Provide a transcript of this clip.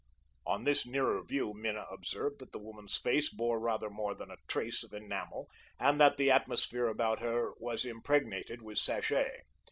On this nearer view Minna observed that the woman's face bore rather more than a trace of enamel and that the atmosphere about was impregnated with sachet.